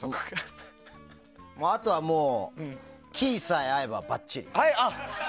あとはもうキーさえ合えばばっちり。